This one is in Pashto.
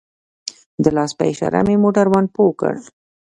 د لاس په اشاره مې موټروان پوه کړ.